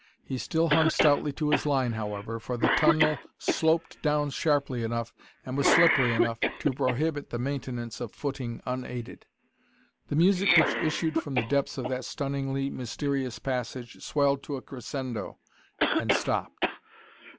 He still hung stoutly to his line, however, for the tunnel sloped down sharply enough, and was slippery enough, to prohibit the maintenance of footing unaided. The music which issued from the depths of that stunningly mysterious passage swelled to a crescendo and stopped.